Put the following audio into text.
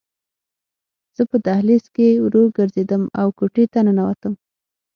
زه په دهلیز کې ورو ګرځېدم او کوټې ته ننوتم